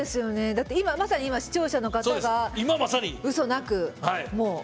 まさに今、視聴者の方がうそなく。